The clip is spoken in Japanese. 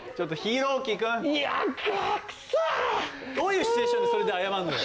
イヤガックソー！どういうシチュエーションでそれで謝るのよ？